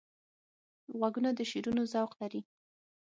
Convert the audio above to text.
غوږونه د شعرونو ذوق لري